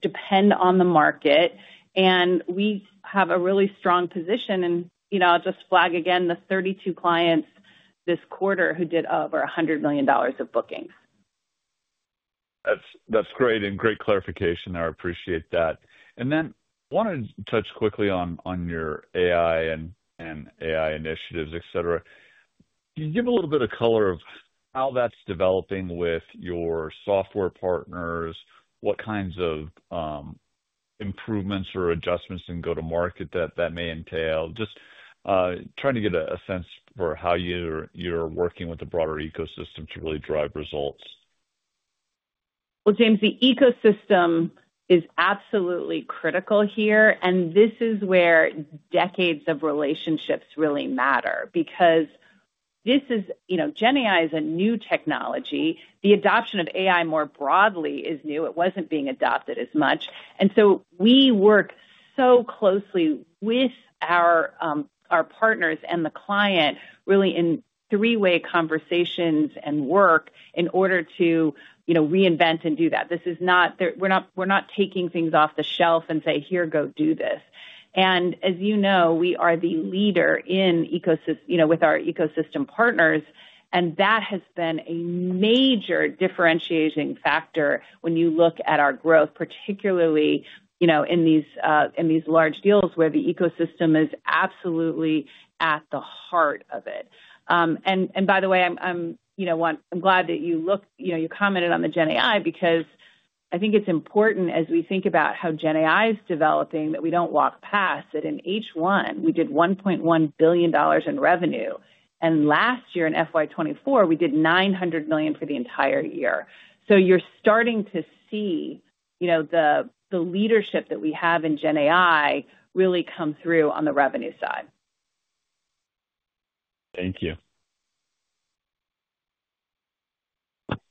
depend on the market. We have a really strong position. I'll just flag again the 32 clients this quarter who did over $100 million of bookings. That's great and great clarification. I appreciate that. I want to touch quickly on your AI and AI initiatives, etc. Can you give a little bit of color of how that's developing with your software partners? What kinds of improvements or adjustments in go-to-market that may entail? Just trying to get a sense for how you're working with the broader ecosystem to really drive results. The ecosystem is absolutely critical here. This is where decades of relationships really matter because GenAI is a new technology. The adoption of AI more broadly is new. It was not being adopted as much. We work so closely with our partners and the client really in three-way conversations and work in order to reinvent and do that. We are not taking things off the shelf and saying, "Here, go do this." As you know, we are the leader with our ecosystem partners. That has been a major differentiating factor when you look at our growth, particularly in these large deals where the ecosystem is absolutely at the heart of it. By the way, I am glad that you commented on the GenAI because I think it is important as we think about how GenAI is developing that we do not walk past that in H1, we did $1.1 billion in revenue. Last year in FY2024, we did $900 million for the entire year. You are starting to see the leadership that we have in GenAI really come through on the revenue side. Thank you.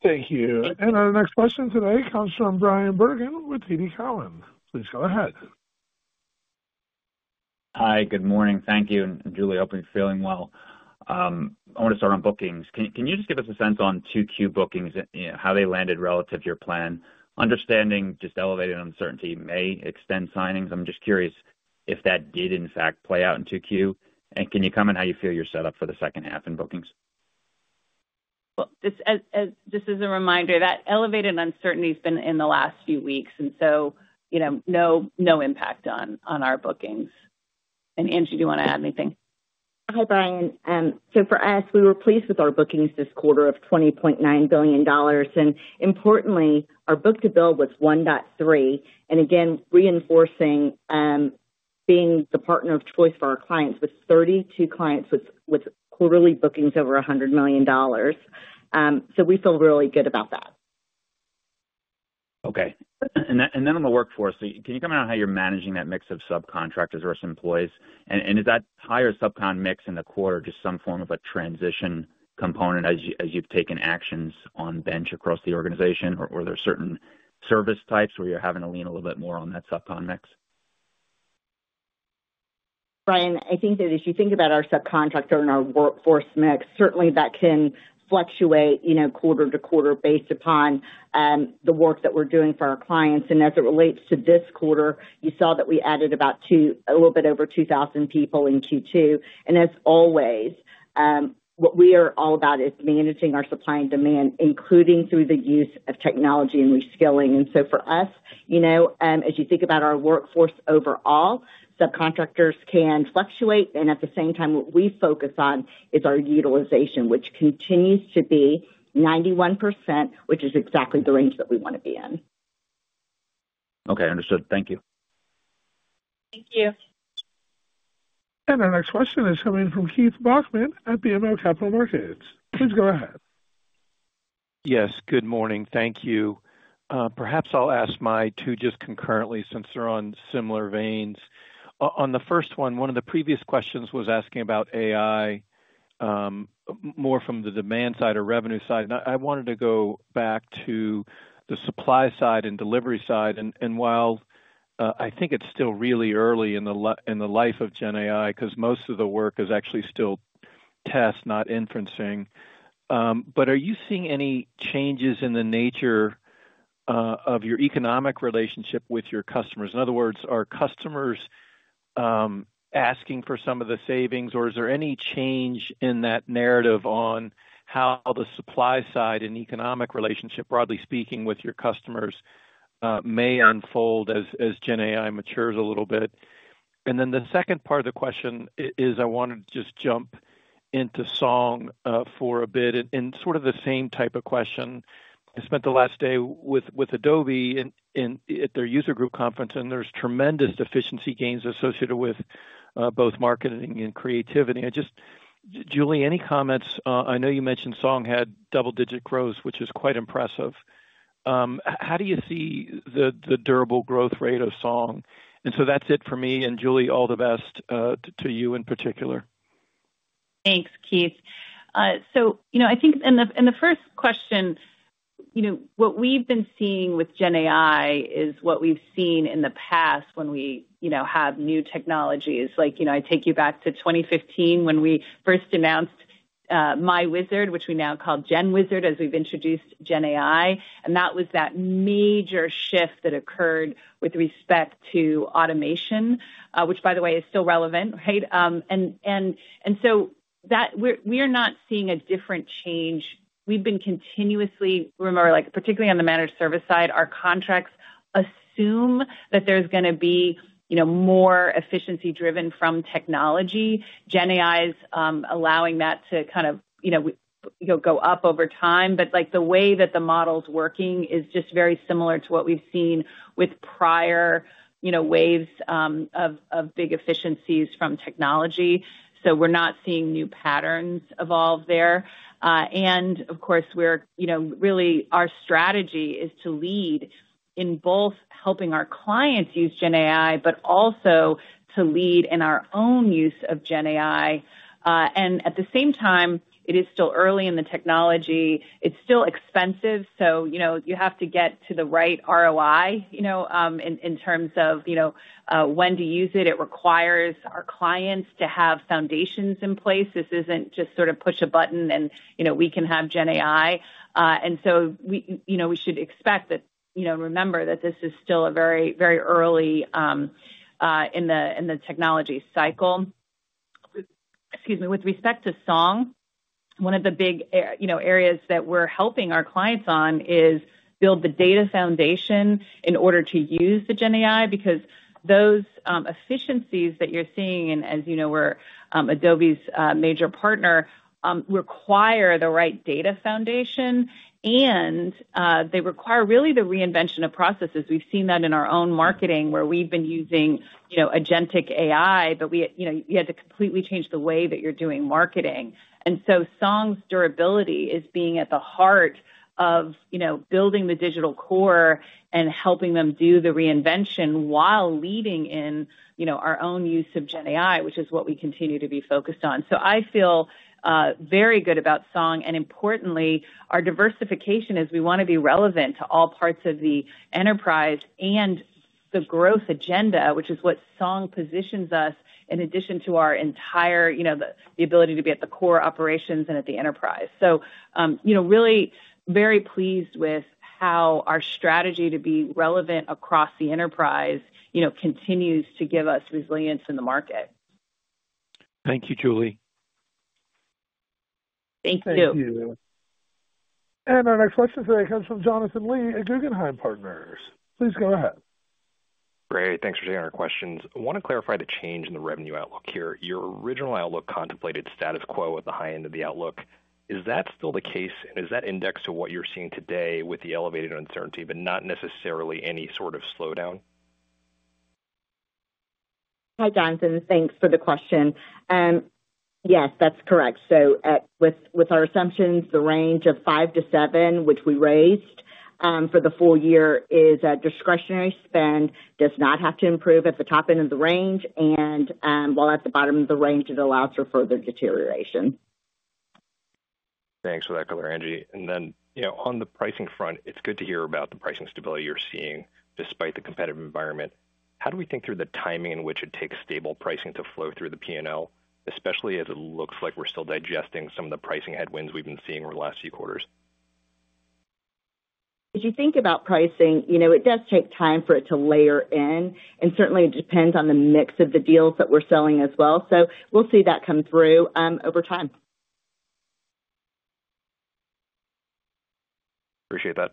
Thank you. Our next question today comes from Brian Bergin with TD Cowen. Please go ahead. Hi. Good morning. Thank you. Julie, hoping you are feeling well. I want to start on bookings. Can you just give us a sense on 2Q bookings, how they landed relative to your plan? Understanding just elevated uncertainty may extend signings. I am just curious if that did, in fact, play out in 2Q. Can you comment on how you feel you are set up for the second half in bookings? Just as a reminder, that elevated uncertainty has been in the last few weeks. No impact on our bookings. Angie, do you want to add anything? Hi, Brian. For us, we were pleased with our bookings this quarter of $20.9 billion. Importantly, our book-to-bill was 1.3. Again, reinforcing being the partner of choice for our clients with 32 clients with quarterly bookings over $100 million. We feel really good about that. Okay. On the workforce, can you comment on how you're managing that mix of subcontractors versus employees? Is that higher subcon mix in the quarter just some form of a transition component as you've taken actions on bench across the organization? Are there certain service types where you're having to lean a little bit more on that subcon mix? Brian, I think that if you think about our subcontractor and our workforce mix, certainly that can fluctuate quarter to quarter based upon the work that we're doing for our clients. As it relates to this quarter, you saw that we added about a little bit over 2,000 people in Q2. As always, what we are all about is managing our supply and demand, including through the use of technology and reskilling. For us, as you think about our workforce overall, subcontractors can fluctuate. At the same time, what we focus on is our utilization, which continues to be 91%, which is exactly the range that we want to be in. Okay. Understood. Thank you. Thank you. Our next question is coming from Keith Bachmann at BMO Capital Markets. Please go ahead. Yes. Good morning. Thank you. Perhaps I'll ask my two just concurrently since they're on similar veins. On the first one, one of the previous questions was asking about AI more from the demand side or revenue side. I wanted to go back to the supply side and delivery side. While I think it's still really early in the life of GenAI because most of the work is actually still test, not inferencing, are you seeing any changes in the nature of your economic relationship with your customers? In other words, are customers asking for some of the savings, or is there any change in that narrative on how the supply side and economic relationship, broadly speaking, with your customers may unfold as GenAI matures a little bit? The second part of the question is I wanted to just jump into Song for a bit in sort of the same type of question. I spent the last day with Adobe at their user group conference, and there's tremendous efficiency gains associated with both marketing and creativity. Julie, any comments? I know you mentioned Song had double-digit growth, which is quite impressive. How do you see the durable growth rate of Song? That's it for me. Julie, all the best to you in particular. Thanks, Keith. I think in the first question, what we've been seeing with GenAI is what we've seen in the past when we have new technologies. I take you back to 2015 when we first announced MyWizard, which we now call GenWizard as we've introduced GenAI. That was that major shift that occurred with respect to automation, which, by the way, is still relevant, right? We are not seeing a different change. We've been continuously, particularly on the managed service side, our contracts assume that there's going to be more efficiency driven from technology. GenAI is allowing that to kind of go up over time. The way that the model's working is just very similar to what we've seen with prior waves of big efficiencies from technology. We are not seeing new patterns evolve there. Of course, really, our strategy is to lead in both helping our clients use GenAI, but also to lead in our own use of GenAI. At the same time, it is still early in the technology. It's still expensive. You have to get to the right ROI in terms of when to use it. It requires our clients to have foundations in place. This isn't just sort of push a button and we can have GenAI. We should expect that, remember that this is still very, very early in the technology cycle. Excuse me. With respect to Song, one of the big areas that we're helping our clients on is build the data foundation in order to use the GenAI because those efficiencies that you're seeing and as you know, we're Adobe's major partner, require the right data foundation. They require really the reinvention of processes. We've seen that in our own marketing where we've been using agentic AI, but you had to completely change the way that you're doing marketing. Song's durability is being at the heart of building the digital core and helping them do the reinvention while leading in our own use of GenAI, which is what we continue to be focused on. I feel very good about Song. Importantly, our diversification is we want to be relevant to all parts of the enterprise and the growth agenda, which is what Song positions us in addition to our entire ability to be at the core operations and at the enterprise. I am really very pleased with how our strategy to be relevant across the enterprise continues to give us resilience in the market. Thank you, Julie. Thank you. Thank you. Our next question today comes from Jonathan Lee at Guggenheim Partners. Please go ahead. Great. Thanks for taking our questions. I want to clarify the change in the revenue outlook here. Your original outlook contemplated status quo at the high end of the outlook. Is that still the case? Is that indexed to what you're seeing today with the elevated uncertainty, but not necessarily any sort of slowdown? Hi, Jonathan. Thanks for the question. Yes, that's correct. With our assumptions, the range of 5-7, which we raised for the full year, is a discretionary spend, does not have to improve at the top end of the range. While at the bottom of the range, it allows for further deterioration. Thanks for that clear, Angie. On the pricing front, it's good to hear about the pricing stability you're seeing despite the competitive environment. How do we think through the timing in which it takes stable pricing to flow through the P&L, especially as it looks like we're still digesting some of the pricing headwinds we've been seeing over the last few quarters? As you think about pricing, it does take time for it to layer in. Certainly, it depends on the mix of the deals that we're selling as well. We'll see that come through over time. Appreciate that.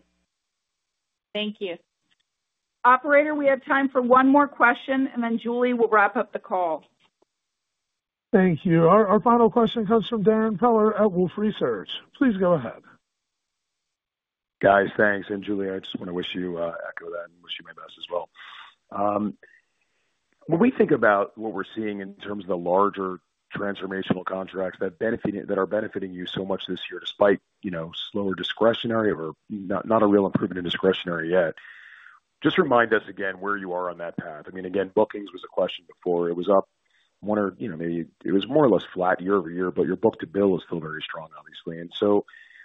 Thank you. Operator, we have time for one more question, and then Julie will wrap up the call. Thank you. Our final question comes from Darren Peller at Wolfe Research. Please go ahead. Guys, thanks. Julie, I just want to wish you echo that and wish you my best as well. When we think about what we're seeing in terms of the larger transformational contracts that are benefiting you so much this year despite slower discretionary or not a real improvement in discretionary yet, just remind us again where you are on that path. I mean, again, bookings was a question before. It was up. Maybe it was more or less flat year over year, but your book-to-bill is still very strong, obviously.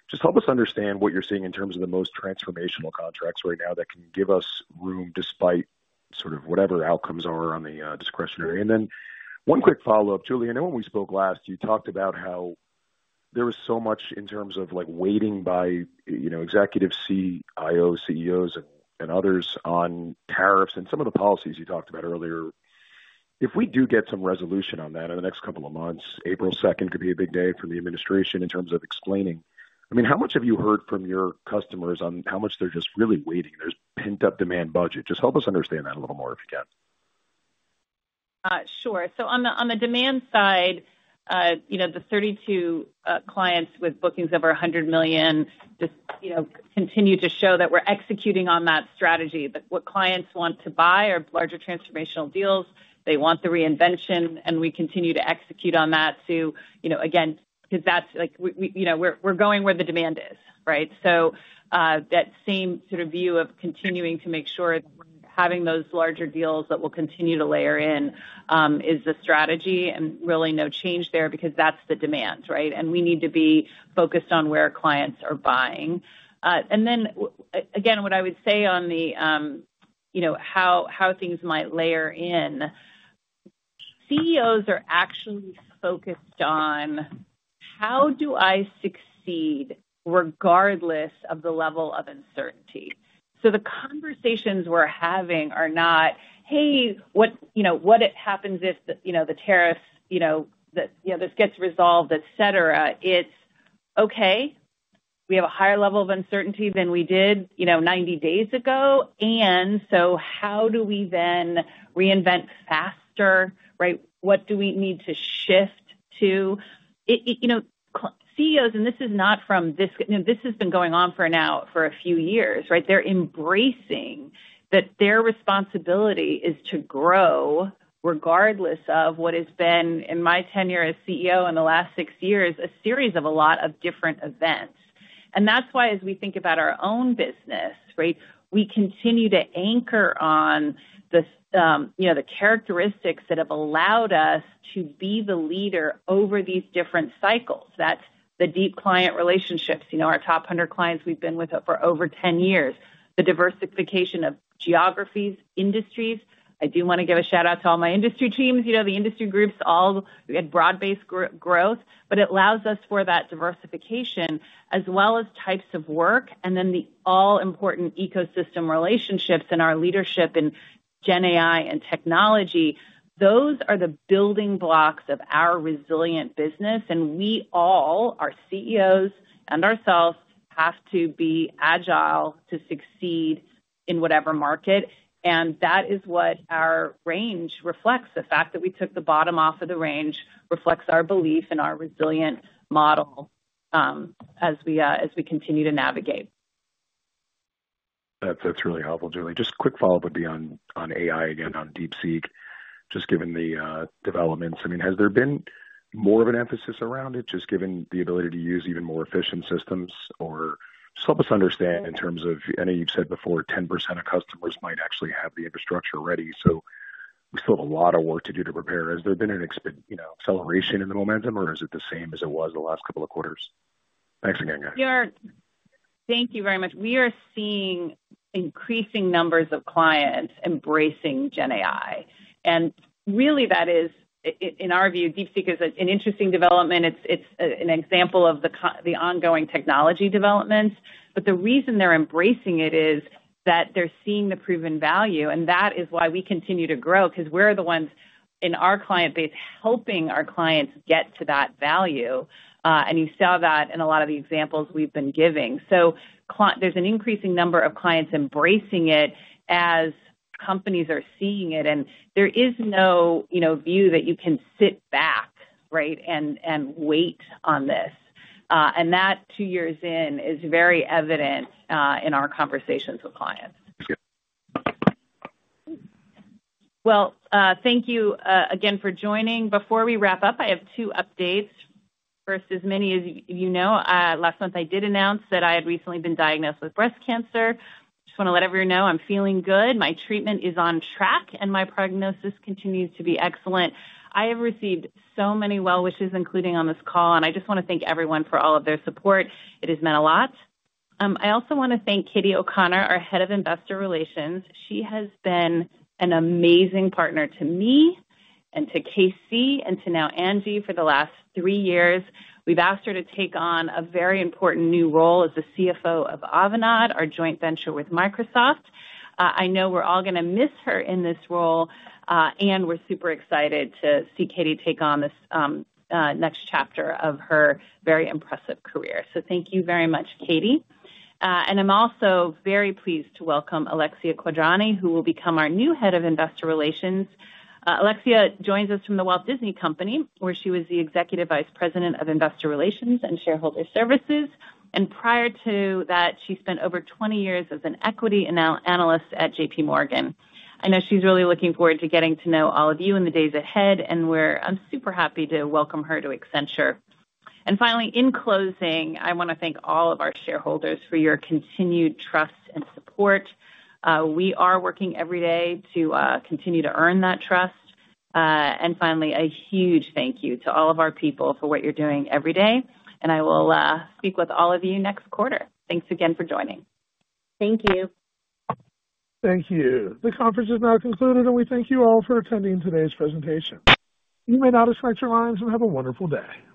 Just help us understand what you're seeing in terms of the most transformational contracts right now that can give us room despite sort of whatever outcomes are on the discretionary. One quick follow-up, Julie. I know when we spoke last, you talked about how there was so much in terms of waiting by executive CIOs, CEOs, and others on tariffs and some of the policies you talked about earlier. If we do get some resolution on that in the next couple of months, April 2nd could be a big day for the administration in terms of explaining. I mean, how much have you heard from your customers on how much they're just really waiting? There's pent-up demand budget. Just help us understand that a little more if you can. Sure. On the demand side, the 32 clients with bookings over $100 million continue to show that we're executing on that strategy. What clients want to buy are larger transformational deals. They want the reinvention, and we continue to execute on that too, again, because we're going where the demand is, right? That same sort of view of continuing to make sure that we're having those larger deals that will continue to layer in is the strategy and really no change there because that's the demand, right? We need to be focused on where clients are buying. Again, what I would say on how things might layer in, CEOs are actually focused on how do I succeed regardless of the level of uncertainty. The conversations we're having are not, "Hey, what happens if the tariffs, this gets resolved, etc.?" It's, "Okay, we have a higher level of uncertainty than we did 90 days ago. And so how do we then reinvent faster?" Right? What do we need to shift to? CEOs, and this has been going on for now for a few years, right? They're embracing that their responsibility is to grow regardless of what has been, in my tenure as CEO in the last six years, a series of a lot of different events. That is why as we think about our own business, right, we continue to anchor on the characteristics that have allowed us to be the leader over these different cycles. That is the deep client relationships, our top 100 clients we have been with for over 10 years, the diversification of geographies, industries. I do want to give a shout-out to all my industry teams, the industry groups, all broad-based growth, but it allows us for that diversification as well as types of work. The all-important ecosystem relationships and our leadership in GenAI and technology, those are the building blocks of our resilient business. We all, our CEOs and ourselves, have to be agile to succeed in whatever market. That is what our range reflects. The fact that we took the bottom off of the range reflects our belief in our resilient model as we continue to navigate. That's really helpful, Julie. Just a quick follow-up would be on AI again, on DeepSeek, just given the developments. I mean, has there been more of an emphasis around it, just given the ability to use even more efficient systems? Or just help us understand in terms of, I know you've said before, 10% of customers might actually have the infrastructure ready. So we still have a lot of work to do to prepare. Has there been an acceleration in the momentum, or is it the same as it was the last couple of quarters? Thanks again. Thank you very much. We are seeing increasing numbers of clients embracing GenAI. And really, that is, in our view, DeepSeek is an interesting development. It's an example of the ongoing technology developments. The reason they're embracing it is that they're seeing the proven value. That is why we continue to grow because we're the ones in our client base helping our clients get to that value. You saw that in a lot of the examples we've been giving. There is an increasing number of clients embracing it as companies are seeing it. There is no view that you can sit back, right, and wait on this. That two years in is very evident in our conversations with clients. Thank you again for joining. Before we wrap up, I have two updates versus many as you know. Last month, I did announce that I had recently been diagnosed with breast cancer. Just want to let everyone know I'm feeling good. My treatment is on track, and my prognosis continues to be excellent. I have received so many well wishes, including on this call. I just want to thank everyone for all of their support. It has meant a lot. I also want to thank Katie O'Connor, our Head of Investor Relations. She has been an amazing partner to me and to KC and to now Angie for the last three years. We have asked her to take on a very important new role as the CFO of Avanade, our joint venture with Microsoft. I know we are all going to miss her in this role. We are super excited to see Katie take on this next chapter of her very impressive career. Thank you very much, Katie. I am also very pleased to welcome Alexia Quadrani, who will become our new Head of Investor Relations. Alexia joins us from the Walt Disney Company, where she was the Executive Vice President of Investor Relations and Shareholder Services. Prior to that, she spent over 20 years as an equity analyst at JP Morgan. I know she's really looking forward to getting to know all of you in the days ahead. I am super happy to welcome her to Accenture. Finally, in closing, I want to thank all of our shareholders for your continued trust and support. We are working every day to continue to earn that trust. A huge thank you to all of our people for what you're doing every day. I will speak with all of you next quarter. Thanks again for joining. Thank you. Thank you. The conference is now concluded, and we thank you all for attending today's presentation. You may now disconnect your lines and have a wonderful day.